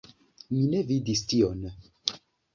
Mi ne vidis tion.